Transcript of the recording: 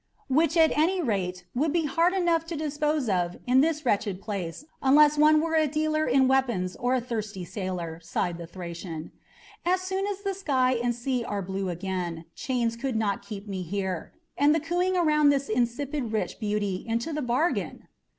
"Which, at any rate, would be hard enough to dispose of in this wretched place unless one were a dealer in weapons or a thirsty sailor," sighed the Thracian. "As soon as the sky and sea are blue again, chains could not keep me here. And the cooing around this insipid rich beauty into the bargain!"